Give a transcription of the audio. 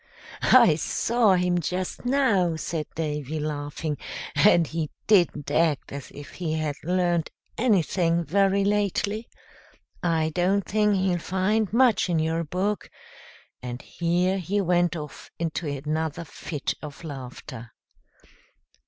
"I saw him just now," said Davy, laughing, "and he didn't act as if he had learned anything very lately. I don't think he'll find much in your book;" and here he went off into another fit of laughter.